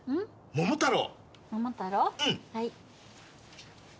「『桃太郎』」